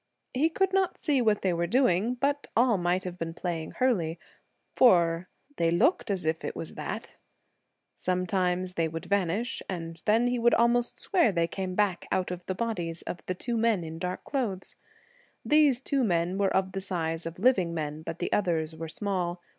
He could not see what they were doing, but all might have been playing hurley, for ' they looked as if it was that' Sometimes they would vanish, and then he would almost swear they came back out of the bodies of the two men in dark clothes. These two men were of the size of living men, but the others were small.